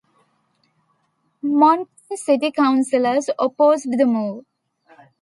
Moncton City Councillors opposed the move.